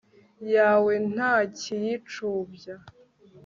yawe nta kiyicubya